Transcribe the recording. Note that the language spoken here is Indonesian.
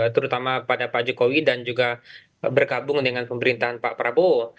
terutama pada pak jokowi dan juga berkabung dengan pemerintahan pak prabowo